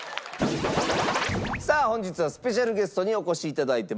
さあ本日はスペシャルゲストにお越し頂いてます。